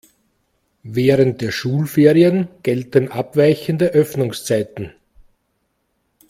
Während der Schulferien gelten abweichende Öffnungszeiten.